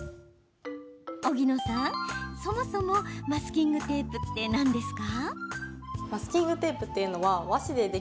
荻野さん、そもそもマスキングテープって何ですか。